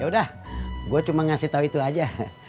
ya udah gue cuma ngasih tahu itu aja